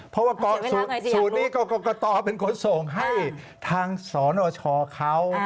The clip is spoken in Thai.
เพราะว่ากรกฎาสูตรนี้กรกฎาเป็นคนส่งให้ทางสรโนชอเขา